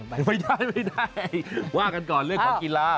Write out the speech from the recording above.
ไม่ได้ว่ากันก่อนเรื่องของกีฬา